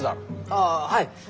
ああはい。